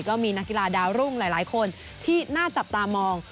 ก็มีนักกีฬาดาวรุ่งหลายคนที่น่าจับตามอง